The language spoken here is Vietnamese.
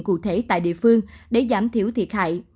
cụ thể tại địa phương để giảm thiểu thiệt hại